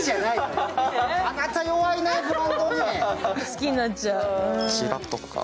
好きになっちゃう。